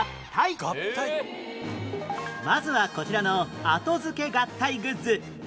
まずはこちらのあと付け合体グッズ